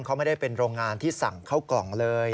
เขาไม่ได้เป็นโรงงานที่สั่งเข้ากล่องเลย